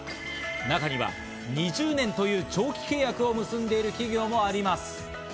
中には２０年という長期契約を結んでいる企業もあります。